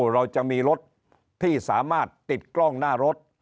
เราจะมีรถที่สามารถติดกล้องหน้ารถ